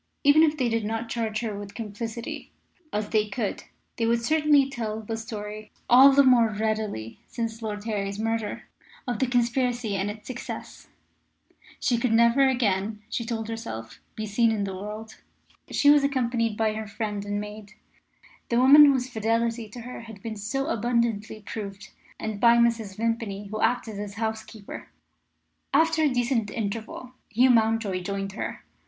Even if they did not charge her with complicity, as they could, they would certainly tell the story all the more readily since Lord Harry's murder of the conspiracy and its success. She could never again, she told herself, be seen in the world. She was accompanied by her friend and maid the woman whose fidelity to her had been so abundantly proved and by Mrs. Vimpany, who acted as housekeeper. After a decent interval, Hugh Mountjoy joined her.